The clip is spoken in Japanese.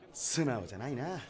素直じゃないな。